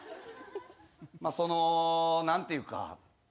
まあその何ていうか。